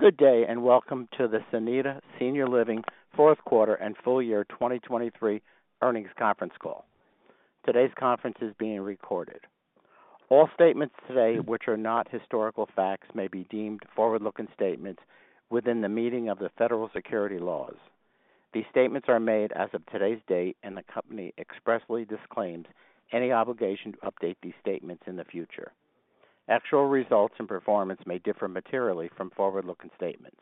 Good day, and welcome to the Sonida Senior Living fourth quarter and full year 2023 Earnings Conference Call. Today's conference is being recorded. All statements today, which are not historical facts, may be deemed forward-looking statements within the meaning of the federal securities laws. These statements are made as of today's date, and the company expressly disclaims any obligation to update these statements in the future. Actual results and performance may differ materially from forward-looking statements.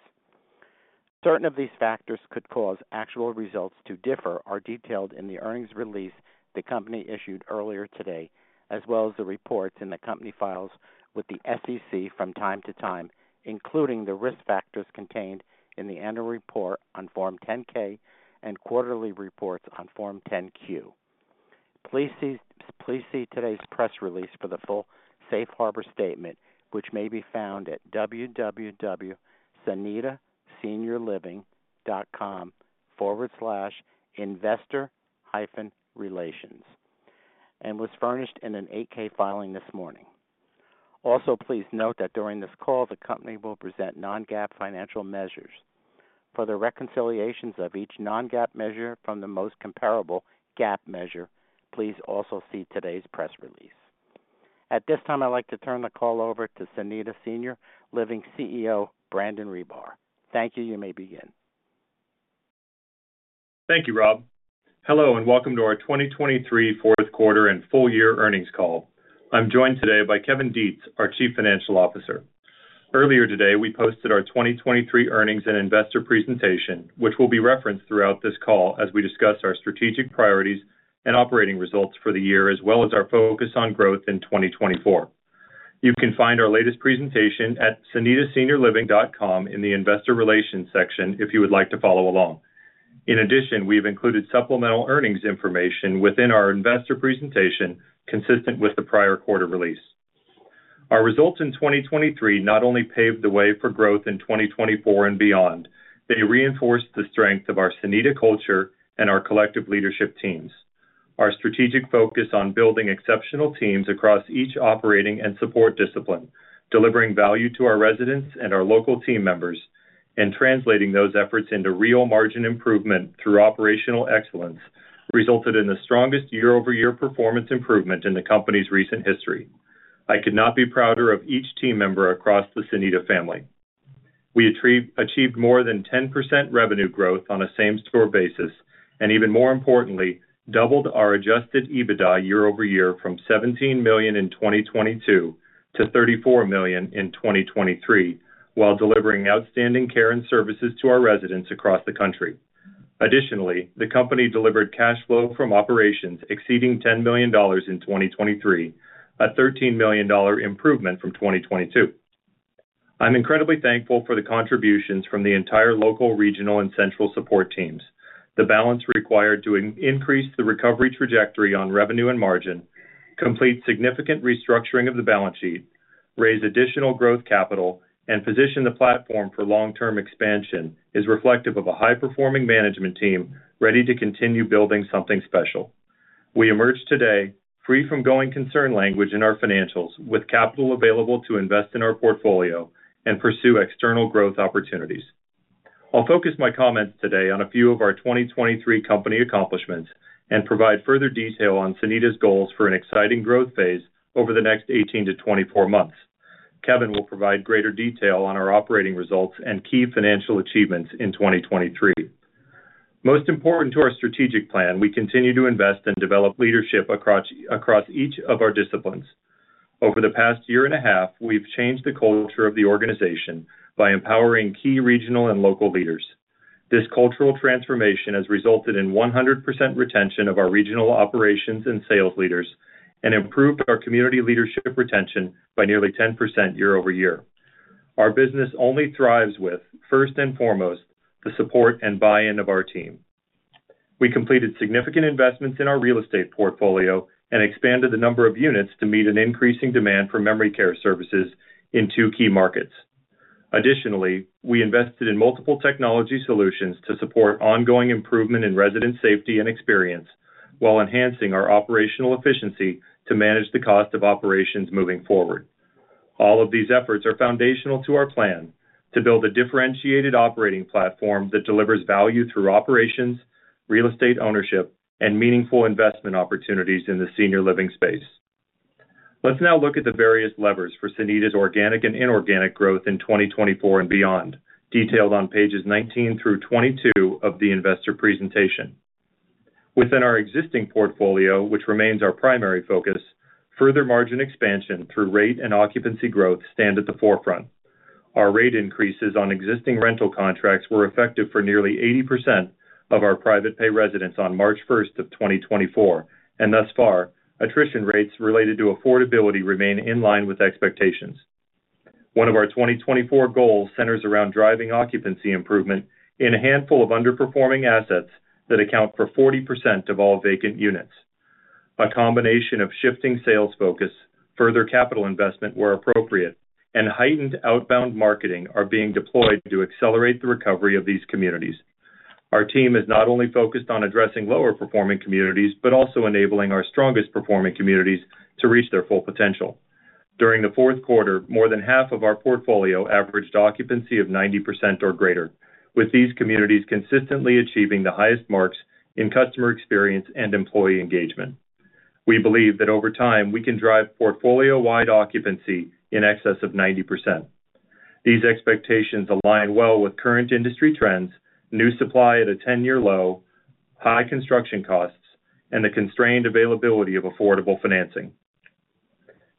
Certain of these factors could cause actual results to differ are detailed in the earnings release the company issued earlier today, as well as the reports in the company files with the SEC from time to time, including the risk factors contained in the annual report on Form 10-K and quarterly reports on Form 10-Q. Please see today's press release for the full Safe Harbor statement, which may be found at www.sonidaseniorliving.com/investor-relations, and was furnished in an 8-K filing this morning. Also, please note that during this call, the company will present non-GAAP financial measures. For the reconciliations of each non-GAAP measure from the most comparable GAAP measure, please also see today's press release. At this time, I'd like to turn the call over to Sonida Senior Living CEO, Brandon Ribar. Thank you. You may begin. Thank you, Rob. Hello, and welcome to our 2023 fourth quarter and full year earnings call. I'm joined today by Kevin Detz, our Chief Financial Officer. Earlier today, we posted our 2023 earnings and investor presentation, which will be referenced throughout this call as we discuss our strategic priorities and operating results for the year, as well as our focus on growth in 2024. You can find our latest presentation at sonidaseniorliving.com in the Investor Relations section, if you would like to follow along. In addition, we've included supplemental earnings information within our investor presentation, consistent with the prior quarter release. Our results in 2023 not only paved the way for growth in 2024 and beyond, they reinforced the strength of our Sonida culture and our collective leadership teams. Our strategic focus on building exceptional teams across each operating and support discipline, delivering value to our residents and our local team members, and translating those efforts into real margin improvement through operational excellence, resulted in the strongest year-over-year performance improvement in the company's recent history. I could not be prouder of each team member across the Sonida family. We achieved more than 10% revenue growth on a same-store basis, and even more importantly, doubled our adjusted EBITDA year-over-year from $17 million in 2022 to $34 million in 2023, while delivering outstanding care and services to our residents across the country. Additionally, the company delivered cash flow from operations exceeding $10 million in 2023, a $13 million improvement from 2022. I'm incredibly thankful for the contributions from the entire local, regional, and central support teams. The balance required to increase the recovery trajectory on revenue and margin, complete significant restructuring of the balance sheet, raise additional growth capital, and position the platform for long-term expansion, is reflective of a high-performing management team ready to continue building something special. We emerge today free from going concern language in our financials, with capital available to invest in our portfolio and pursue external growth opportunities. I'll focus my comments today on a few of our 2023 company accomplishments and provide further detail on Sonida's goals for an exciting growth phase over the next 18-24 months. Kevin will provide greater detail on our operating results and key financial achievements in 2023. Most important to our strategic plan, we continue to invest and develop leadership across each of our disciplines. Over the past year and a half, we've changed the culture of the organization by empowering key regional and local leaders. This cultural transformation has resulted in 100% retention of our regional operations and sales leaders and improved our community leadership retention by nearly 10% year-over-year. Our business only thrives with, first and foremost, the support and buy-in of our team. We completed significant investments in our real estate portfolio and expanded the number of units to meet an increasing demand for memory care services in two key markets. Additionally, we invested in multiple technology solutions to support ongoing improvement in resident safety and experience, while enhancing our operational efficiency to manage the cost of operations moving forward. All of these efforts are foundational to our plan to build a differentiated operating platform that delivers value through operations, real estate ownership, and meaningful investment opportunities in the senior living space. Let's now look at the various levers for Sonida's organic and inorganic growth in 2024 and beyond, detailed on pages 19 through 22 of the investor presentation. Within our existing portfolio, which remains our primary focus, further margin expansion through rate and occupancy growth stand at the forefront. Our rate increases on existing rental contracts were effective for nearly 80% of our private pay residents on March 1, 2024, and thus far, attrition rates related to affordability remain in line with expectations. One of our 2024 goals centers around driving occupancy improvement in a handful of underperforming assets that account for 40% of all vacant units. A combination of shifting sales focus, further capital investment where appropriate, and heightened outbound marketing are being deployed to accelerate the recovery of these communities. Our team is not only focused on addressing lower-performing communities, but also enabling our strongest performing communities to reach their full potential. During the fourth quarter, more than half of our portfolio averaged occupancy of 90% or greater, with these communities consistently achieving the highest marks in customer experience and employee engagement. We believe that over time, we can drive portfolio-wide occupancy in excess of 90%. These expectations align well with current industry trends, new supply at a 10-year low, high construction costs, and the constrained availability of affordable financing.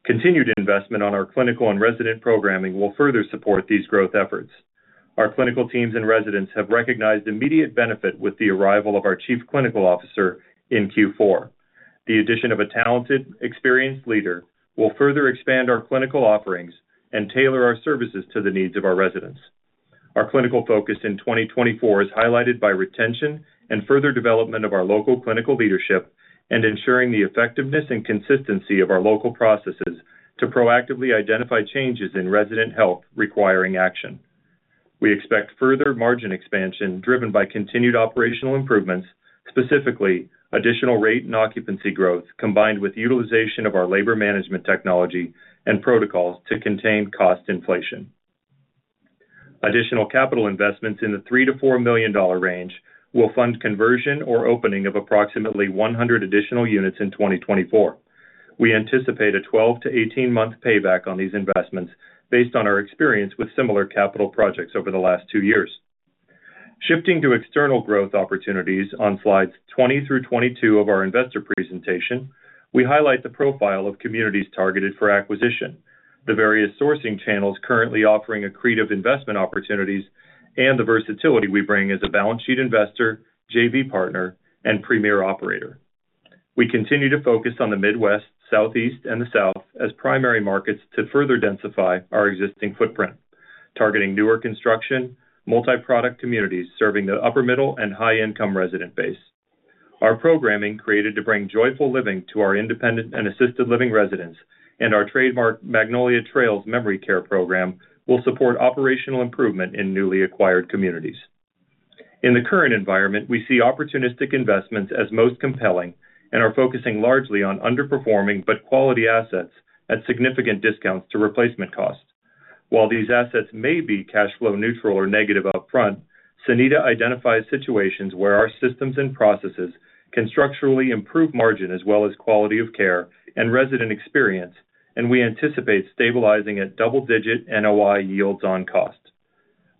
Continued investment on our clinical and resident programming will further support these growth efforts. Our clinical teams and residents have recognized immediate benefit with the arrival of our chief clinical officer in Q4. The addition of a talented, experienced leader will further expand our clinical offerings and tailor our services to the needs of our residents. Our clinical focus in 2024 is highlighted by retention and further development of our local clinical leadership, and ensuring the effectiveness and consistency of our local processes to proactively identify changes in resident health requiring action. We expect further margin expansion, driven by continued operational improvements, specifically additional rate and occupancy growth, combined with utilization of our labor management technology and protocols to contain cost inflation. Additional capital investments in the $3 million-$4 million range will fund conversion or opening of approximately 100 additional units in 2024. We anticipate a 12-18-month payback on these investments based on our experience with similar capital projects over the last 2 years. Shifting to external growth opportunities on slides 20 through 22 of our investor presentation, we highlight the profile of communities targeted for acquisition, the various sourcing channels currently offering accretive investment opportunities, and the versatility we bring as a balance sheet investor, JV partner, and premier operator. We continue to focus on the Midwest, Southeast, and the South as primary markets to further densify our existing footprint, targeting newer construction, multi-product communities, serving the upper middle and high-income resident base. Our programming, created to bring joyful living to our independent and assisted living residents, and our trademark Magnolia Trails Memory Care program, will support operational improvement in newly acquired communities. In the current environment, we see opportunistic investments as most compelling and are focusing largely on underperforming but quality assets at significant discounts to replacement costs. While these assets may be cash flow neutral or negative upfront, Sonida identifies situations where our systems and processes can structurally improve margin as well as quality of care and resident experience, and we anticipate stabilizing at double-digit NOI yields on cost.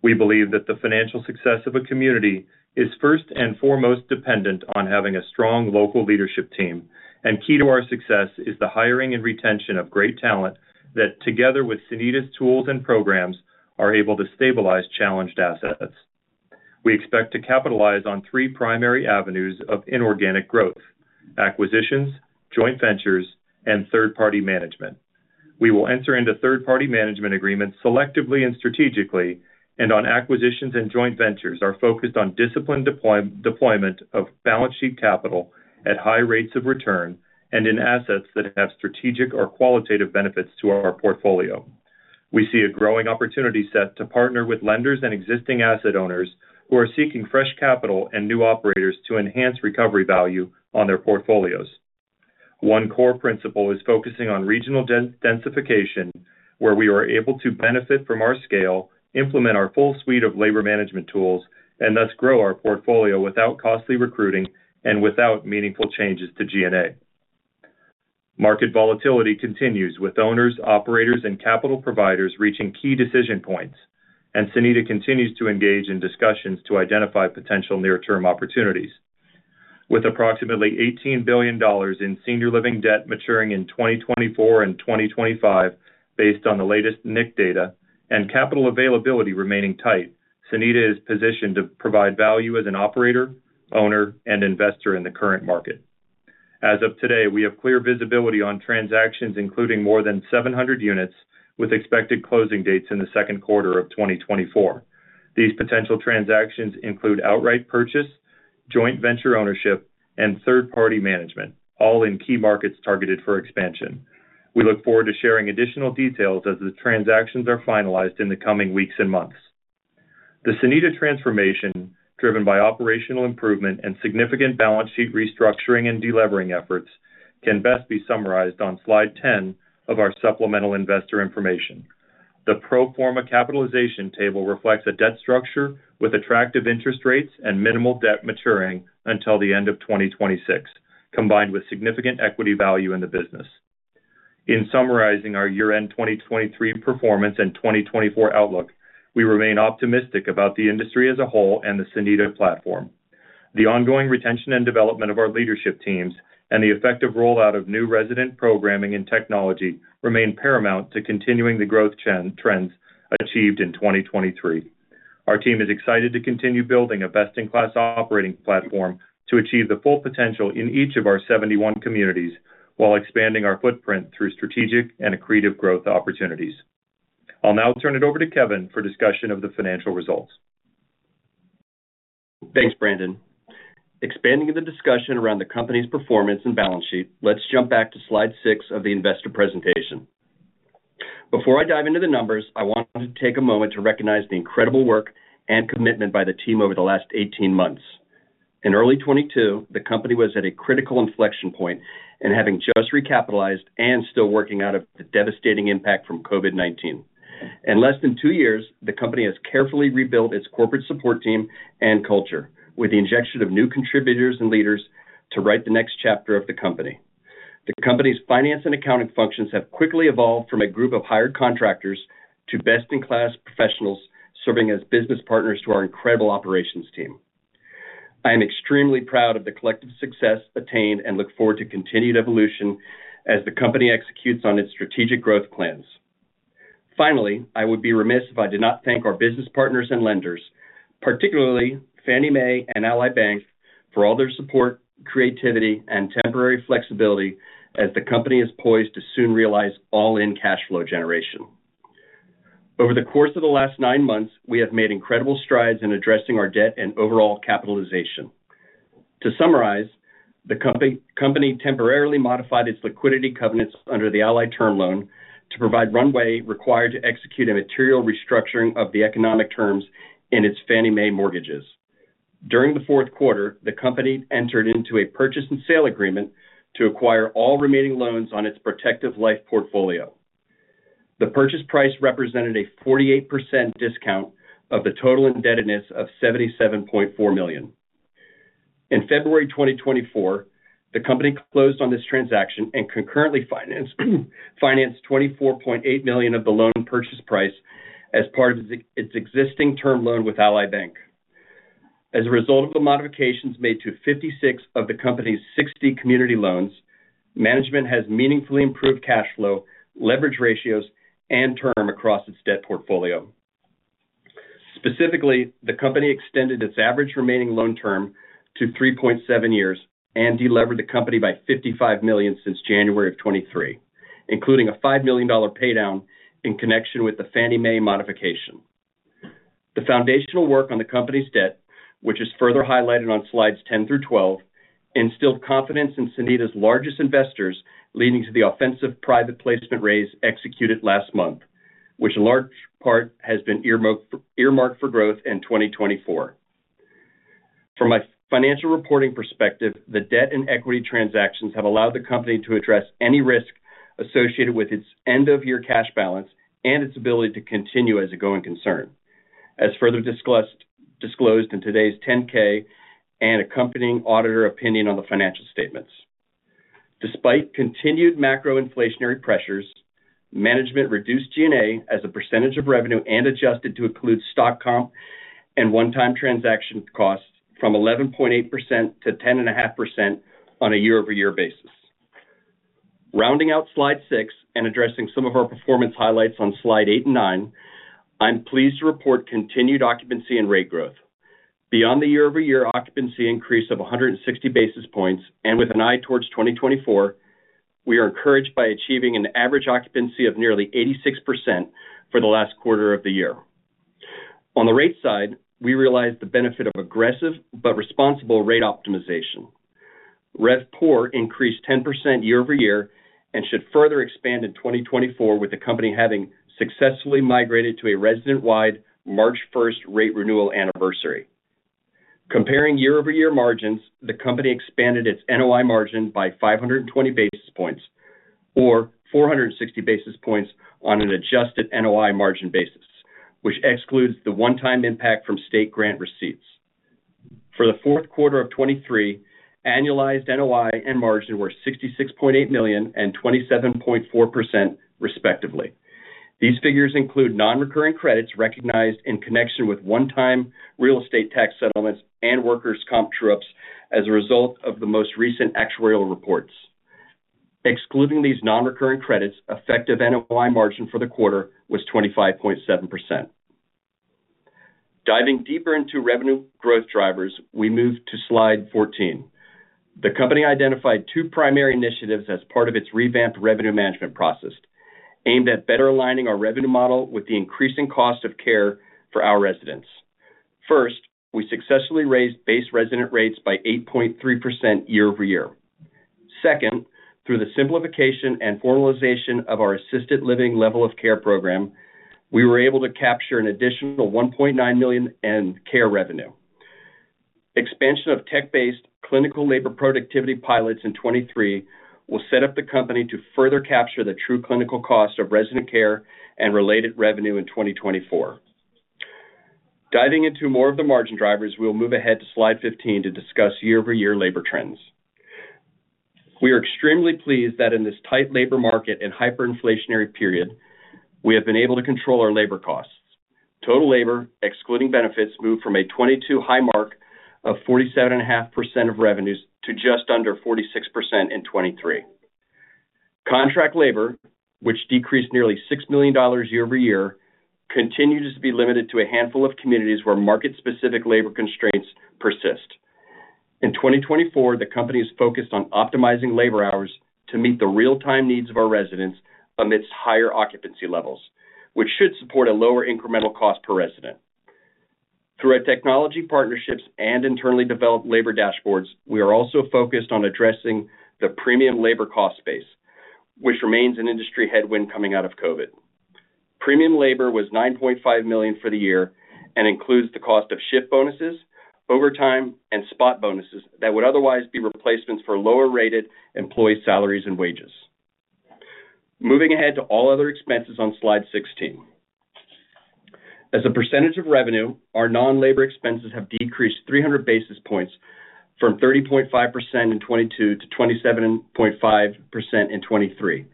We believe that the financial success of a community is first and foremost dependent on having a strong local leadership team, and key to our success is the hiring and retention of great talent that, together with Sonida's tools and programs, are able to stabilize challenged assets. We expect to capitalize on three primary avenues of inorganic growth: acquisitions, joint ventures, and third-party management. We will enter into third-party management agreements selectively and strategically, and on acquisitions and joint ventures, are focused on disciplined deployment of balance sheet capital at high rates of return, and in assets that have strategic or qualitative benefits to our portfolio. We see a growing opportunity set to partner with lenders and existing asset owners, who are seeking fresh capital and new operators to enhance recovery value on their portfolios. One core principle is focusing on regional densification, where we are able to benefit from our scale, implement our full suite of labor management tools, and thus grow our portfolio without costly recruiting and without meaningful changes to G&A. Market volatility continues, with owners, operators, and capital providers reaching key decision points, and Sonida continues to engage in discussions to identify potential near-term opportunities. With approximately $18 billion in senior living debt maturing in 2024 and 2025, based on the latest NIC data, and capital availability remaining tight, Sonida is positioned to provide value as an operator, owner, and investor in the current market. As of today, we have clear visibility on transactions, including more than 700 units, with expected closing dates in the second quarter of 2024. These potential transactions include outright purchase, joint venture ownership, and third-party management, all in key markets targeted for expansion. We look forward to sharing additional details as the transactions are finalized in the coming weeks and months. The Sonida transformation, driven by operational improvement and significant balance sheet restructuring and delevering efforts, can best be summarized on slide 10 of our supplemental investor information. The pro forma capitalization table reflects a debt structure with attractive interest rates and minimal debt maturing until the end of 2026, combined with significant equity value in the business. In summarizing our year-end 2023 performance and 2024 outlook, we remain optimistic about the industry as a whole and the Sonida platform. The ongoing retention and development of our leadership teams, and the effective rollout of new resident programming and technology remain paramount to continuing the growth trends achieved in 2023. Our team is excited to continue building a best-in-class operating platform to achieve the full potential in each of our 71 communities, while expanding our footprint through strategic and accretive growth opportunities. I'll now turn it over to Kevin for discussion of the financial results. Thanks, Brandon. Expanding the discussion around the company's performance and balance sheet, let's jump back to slide 6 of the investor presentation. Before I dive into the numbers, I want to take a moment to recognize the incredible work and commitment by the team over the last 18 months. In early 2022, the company was at a critical inflection point and having just recapitalized and still working out of the devastating impact from COVID-19. In less than two years, the company has carefully rebuilt its corporate support team and culture, with the injection of new contributors and leaders to write the next chapter of the company. The company's finance and accounting functions have quickly evolved from a group of hired contractors to best-in-class professionals, serving as business partners to our incredible operations team. I am extremely proud of the collective success attained and look forward to continued evolution as the company executes on its strategic growth plans. Finally, I would be remiss if I did not thank our business partners and lenders, particularly Fannie Mae and Ally Bank, for all their support, creativity, and temporary flexibility as the company is poised to soon realize all-in cash flow generation. Over the course of the last nine months, we have made incredible strides in addressing our debt and overall capitalization. To summarize, the company temporarily modified its liquidity covenants under the Ally term loan to provide runway required to execute a material restructuring of the economic terms in its Fannie Mae mortgages. During the fourth quarter, the company entered into a purchase and sale agreement to acquire all remaining loans on its Protective Life portfolio. The purchase price represented a 48% discount of the total indebtedness of $77.4 million. In February 2024, the company closed on this transaction and concurrently financed, financed $24.8 million of the loan purchase price as part of its existing term loan with Ally Bank. As a result of the modifications made to 56 of the company's 60 community loans, management has meaningfully improved cash flow, leverage ratios, and term across its debt portfolio. Specifically, the company extended its average remaining loan term to 3.7 years and delevered the company by $55 million since January 2023, including a $5 million paydown in connection with the Fannie Mae modification. The foundational work on the company's debt, which is further highlighted on slides 10 through 12, instilled confidence in Sonida's largest investors, leading to the offering private placement raise executed last month, which in large part has been earmarked for growth in 2024. From a financial reporting perspective, the debt and equity transactions have allowed the company to address any risk associated with its end-of-year cash balance and its ability to continue as a going concern. As further disclosed in today's 10-K and accompanying auditor opinion on the financial statements. Despite continued macro inflationary pressures, management reduced G&A as a percentage of revenue and adjusted to include stock comp and one-time transaction costs from 11.8% to 10.5% on a year-over-year basis. Rounding out Slide 6 and addressing some of our performance highlights on Slide 8 and 9, I'm pleased to report continued occupancy and rate growth. Beyond the year-over-year occupancy increase of 160 basis points, and with an eye towards 2024, we are encouraged by achieving an average occupancy of nearly 86% for the last quarter of the year. On the rate side, we realized the benefit of aggressive but responsible rate optimization. RevPOR increased 10% year-over-year and should further expand in 2024, with the company having successfully migrated to a resident-wide March 1 rate renewal anniversary. Comparing year-over-year margins, the company expanded its NOI margin by 520 basis points, or 460 basis points on an adjusted NOI margin basis, which excludes the one-time impact from state grant receipts. For the fourth quarter of 2023, annualized NOI and margin were $66.8 million and 27.4%, respectively. These figures include non-recurring credits recognized in connection with one-time real estate tax settlements and workers' comp true-ups as a result of the most recent actuarial reports. Excluding these non-recurring credits, effective NOI margin for the quarter was 25.7%. Diving deeper into revenue growth drivers, we move to Slide 14. The company identified two primary initiatives as part of its revamped revenue management process, aimed at better aligning our revenue model with the increasing cost of care for our residents. First, we successfully raised base resident rates by 8.3% year-over-year. Second, through the simplification and formalization of our assisted living level of care program, we were able to capture an additional $1.9 million in care revenue. Expansion of tech-based clinical labor productivity pilots in 2023 will set up the company to further capture the true clinical cost of resident care and related revenue in 2024. Diving into more of the margin drivers, we'll move ahead to Slide 15 to discuss year-over-year labor trends. We are extremely pleased that in this tight labor market and hyperinflationary period, we have been able to control our labor costs. Total labor, excluding benefits, moved from a 2022 high mark of 47.5% of revenues to just under 46% in 2023. Contract labor, which decreased nearly $6 million year-over-year, continues to be limited to a handful of communities where market-specific labor constraints persist. In 2024, the company is focused on optimizing labor hours to meet the real-time needs of our residents amidst higher occupancy levels, which should support a lower incremental cost per resident. Through our technology partnerships and internally developed labor dashboards, we are also focused on addressing the premium labor cost base, which remains an industry headwind coming out of COVID. Premium labor was $9.5 million for the year and includes the cost of shift bonuses, overtime, and spot bonuses that would otherwise be replacements for lower-rated employee salaries and wages. Moving ahead to all other expenses on slide 16. As a percentage of revenue, our non-labor expenses have decreased 300 basis points, from 30.5% in 2022 to 27.5% in 2023.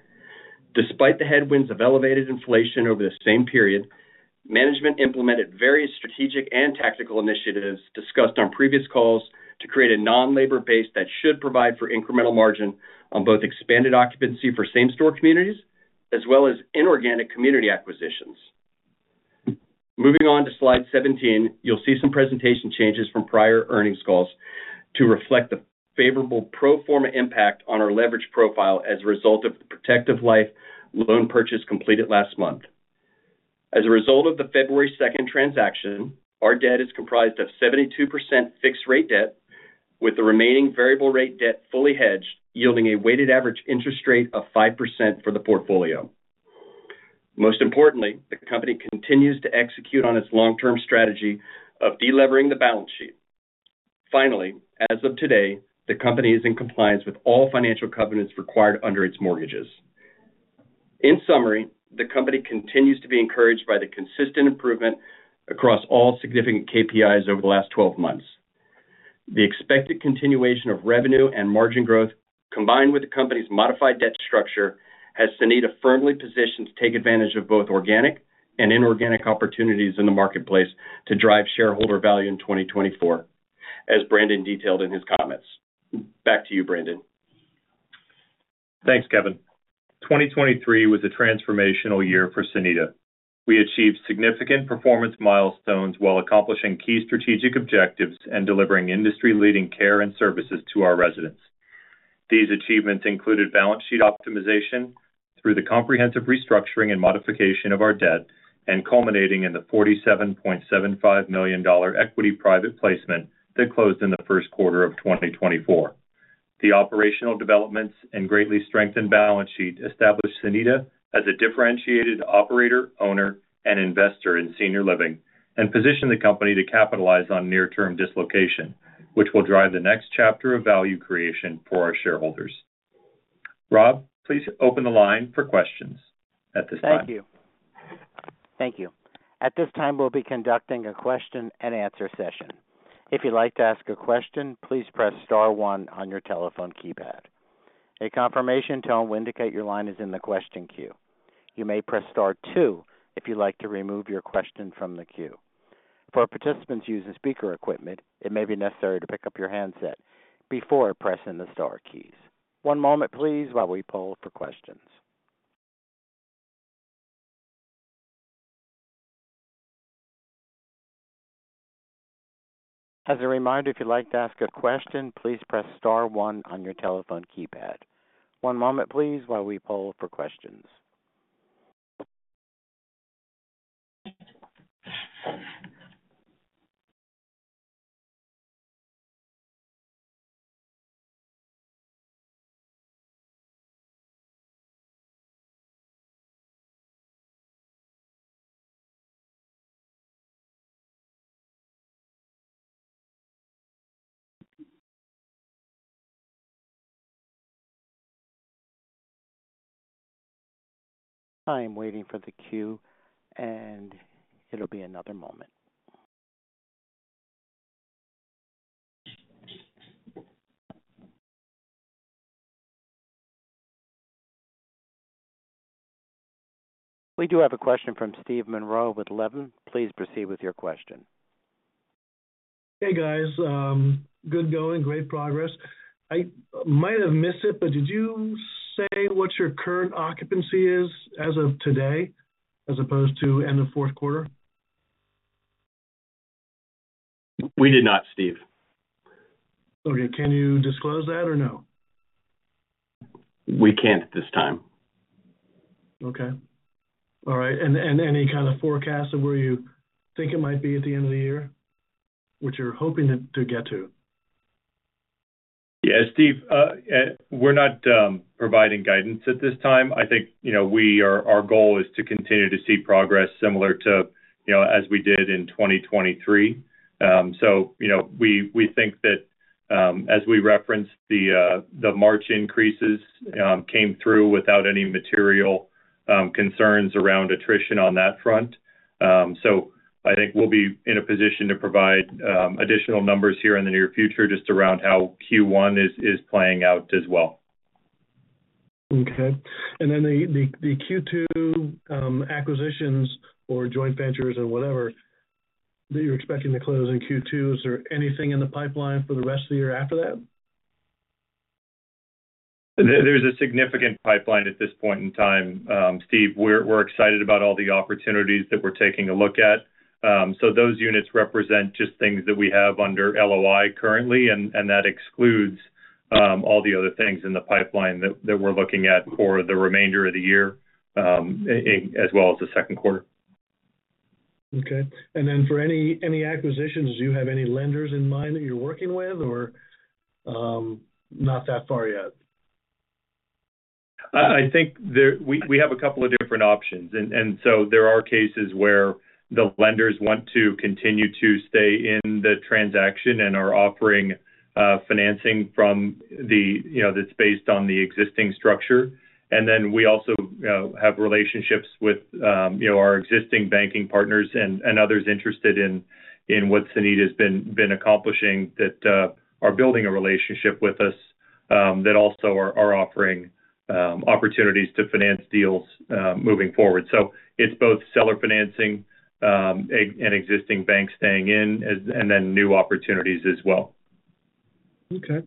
Despite the headwinds of elevated inflation over the same period, management implemented various strategic and tactical initiatives discussed on previous calls to create a non-labor base that should provide for incremental margin on both expanded occupancy for same-store communities, as well as inorganic community acquisitions. Moving on to slide 17, you'll see some presentation changes from prior earnings calls to reflect the favorable pro forma impact on our leverage profile as a result of the Protective Life loan purchase completed last month. As a result of the February 2 transaction, our debt is comprised of 72% fixed-rate debt, with the remaining variable rate debt fully hedged, yielding a weighted average interest rate of 5% for the portfolio. Most importantly, the company continues to execute on its long-term strategy of delevering the balance sheet. Finally, as of today, the company is in compliance with all financial covenants required under its mortgages. In summary, the company continues to be encouraged by the consistent improvement across all significant KPIs over the last 12 months. The expected continuation of revenue and margin growth, combined with the company's modified debt structure, has Sonida firmly positioned to take advantage of both organic and inorganic opportunities in the marketplace to drive shareholder value in 2024, as Brandon detailed in his comments. Back to you, Brandon. Thanks, Kevin. 2023 was a transformational year for Sonida. We achieved significant performance milestones while accomplishing key strategic objectives and delivering industry-leading care and services to our residents. These achievements included balance sheet optimization through the comprehensive restructuring and modification of our debt, and culminating in the $47.75 million equity private placement that closed in the first quarter of 2024. The operational developments and greatly strengthened balance sheet established Sonida as a differentiated operator, owner, and investor in senior living, and positioned the company to capitalize on near-term dislocation, which will drive the next chapter of value creation for our shareholders. Rob, please open the line for questions at this time. Thank you. Thank you. At this time, we'll be conducting a question-and-answer session. If you'd like to ask a question, please press star one on your telephone keypad. A confirmation tone will indicate your line is in the question queue. You may press star two if you'd like to remove your question from the queue. For participants using speaker equipment, it may be necessary to pick up your handset before pressing the star keys. One moment, please, while we poll for questions. As a reminder, if you'd like to ask a question, please press star one on your telephone keypad. One moment, please, while we poll for questions. I am waiting for the queue, and it'll be another moment. We do have a question from Steve Monroe with Levin. Please proceed with your question. Hey, guys. Good going. Great progress. I might have missed it, but did you say what your current occupancy is as of today, as opposed to end of fourth quarter? We did not, Steve. Okay. Can you disclose that or no? We can't at this time. Okay. All right, and any kind of forecast of where you think it might be at the end of the year, what you're hoping to get to? Yeah, Steve, we're not providing guidance at this time. I think, you know, our goal is to continue to see progress similar to, you know, as we did in 2023. So, you know, we think that, as we referenced, the March increases came through without any material concerns around attrition on that front. So I think we'll be in a position to provide additional numbers here in the near future, just around how Q1 is playing out as well. Okay. And then the Q2 acquisitions or joint ventures or whatever that you're expecting to close in Q2, is there anything in the pipeline for the rest of the year after that? There's a significant pipeline at this point in time, Steve. We're excited about all the opportunities that we're taking a look at. So those units represent just things that we have under LOI currently, and that excludes all the other things in the pipeline that we're looking at for the remainder of the year, in as well as the second quarter. Okay. And then for any, any acquisitions, do you have any lenders in mind that you're working with, or not that far yet? I think we have a couple of different options, and so there are cases where the lenders want to continue to stay in the transaction and are offering financing from the, you know, that's based on the existing structure. And then we also have relationships with, you know, our existing banking partners and others interested in what Sonida has been accomplishing that are building a relationship with us that also are offering opportunities to finance deals moving forward. So it's both seller financing and existing banks staying in and then new opportunities as well. Okay.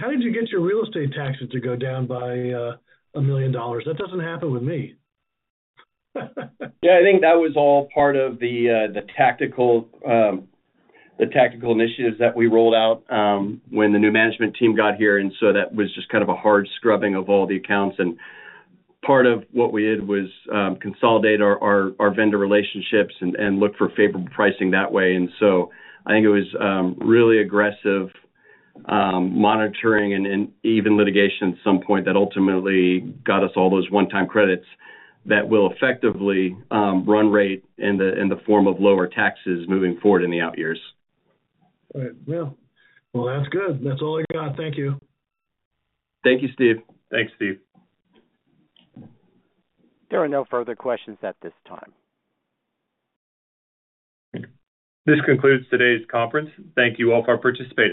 How did you get your real estate taxes to go down by $1 million? That doesn't happen with me. Yeah, I think that was all part of the tactical initiatives that we rolled out when the new management team got here, and so that was just kind of a hard scrubbing of all the accounts. And part of what we did was consolidate our vendor relationships and look for favorable pricing that way. And so I think it was really aggressive monitoring and even litigation at some point that ultimately got us all those one-time credits that will effectively run rate in the form of lower taxes moving forward in the out years. All right. Well, well, that's good. That's all I got. Thank you. Thank you, Steve. Thanks, Steve. There are no further questions at this time. This concludes today's conference. Thank you all for participating.